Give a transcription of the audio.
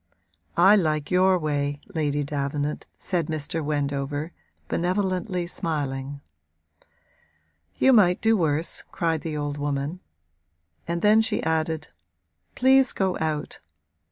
'I like your way, Lady Davenant,' said Mr. Wendover, benevolently, smiling. 'You might do worse,' cried the old woman; and then she added: 'Please go out!'